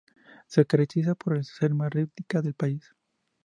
Se caracteriza por ser la más rítmica del país.